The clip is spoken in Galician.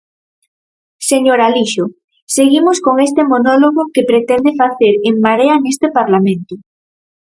Señor Alixo, seguimos con este monólogo que pretende facer En Marea neste parlamento.